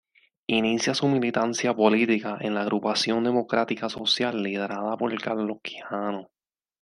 Inicia su militancia política en la Agrupación Demócrata Social, liderada por Carlos Quijano.